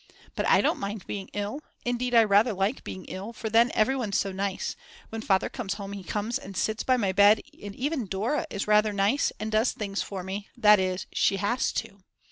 But I don't mind being ill; indeed I rather like being ill, for then everyone's so nice, when Father comes home he comes and sits by my bed and even Dora is rather nice and does things for me; that is she has to.